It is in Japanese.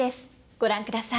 ご覧ください。